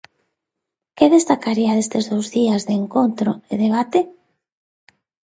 Que destacaría destes dous días de encontro e debate?